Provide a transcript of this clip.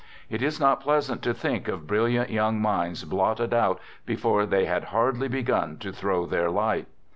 It is not pleas ant to think of brilliant young minds blotted out before they had hardly begun to throw their light.